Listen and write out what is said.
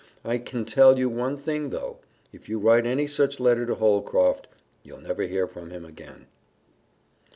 I can tell you one thing though if you write any such letter to Holcroft, you'll never hear from him again."